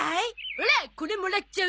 オラこれもらっちゃう。